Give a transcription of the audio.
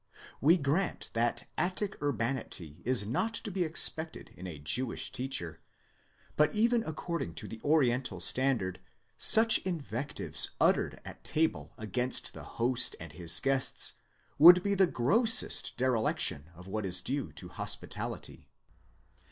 We grant that Attic urbanity is not to be expected in a Jewish teacher, but even according to the oriental standard, such invectives uttered at table against the host and his guests, would be the grossest dereliction of what is due to hospitality.